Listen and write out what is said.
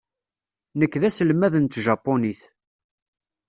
Nekk d aselmad n tjapunit.